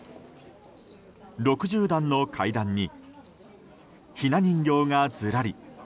６０段の階段にひな人形がずらり。